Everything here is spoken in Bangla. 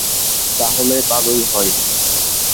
তাহলে ভালোই হয়।